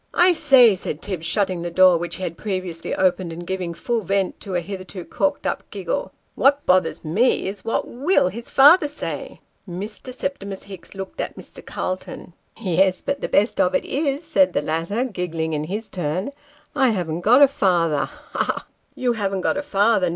" I say," said Tibbs, shutting the door which he had previously opened, and giving full vent to a hitherto corked up giggle, " what bothers me is, what ivill his father say ?" Mr. Septimus Hicks looked at Mr. Calton. " Yes ; but the best of it is," said the latter, giggling in his turn, " I haven't got a father he ! he ! he !" You haven't got a father.